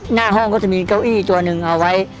หน้าห้องก็จะมีเก้าอี้ตัวหนึ่งเอาไว้